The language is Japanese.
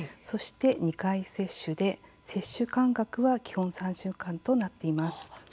そして、２回接種で接種間隔は基本３週間となっています。